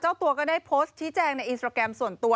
ตัวก็ได้โพสต์ชี้แจงในอินสตราแกรมส่วนตัว